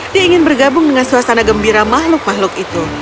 dia ingin bergabung dengan suasana gembira makhluk makhluk itu